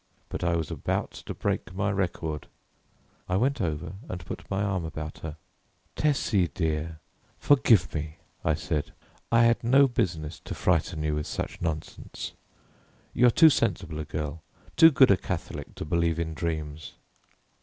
But I was about to break my record. I went over and put my arm about her. "Tessie dear, forgive me," I said; "I had no business to frighten you with such nonsense. You are too sensible a girl, too good a Catholic to believe in dreams."